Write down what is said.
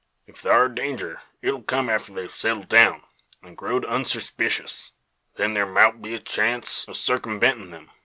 Ef thar air danger it'll come arter they've settled down, an' growed unsurspishus. Then thar mout be a chance o' circumventin' them.